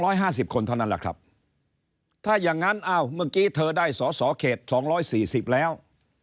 ระบบ๒๕๐คนเท่านั้นแหละครับถ้าอย่างนั้นเมื่อกี้เธอได้สอสอเขต๒๔๐แล้ว